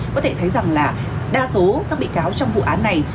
có thể thấy rằng là đa số các bị cáo trong vụ án này